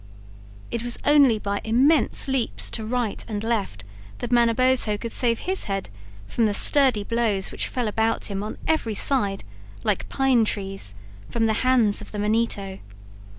It was only by immense leaps to right and left that Manabozho could save his head from the sturdy blows which fell about him on every side, like pine.trees, from the hands of the Manito.